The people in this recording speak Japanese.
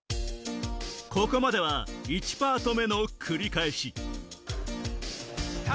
ここまでは１パート目の繰り返し